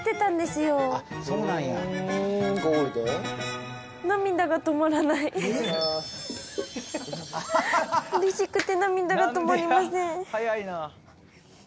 うれしくて涙が止まりません。